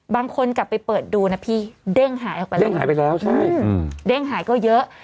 กลับไปเปิดดูนะพี่เด้งหายออกไปแล้วเด้งหายไปแล้วใช่เด้งหายก็เยอะ